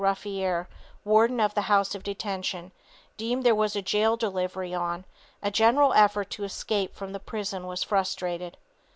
Ruffier, warden of the House of Detention, dreamed there was a jail delivery on, a general effort to escape from the prison was frustrated.